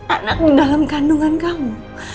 anak di dalam kandungan kamu